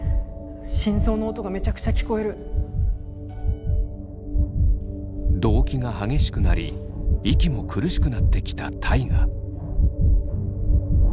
心臓の音がめちゃくちゃ聞こえる動悸が激しくなり息も苦しくなってきた大我。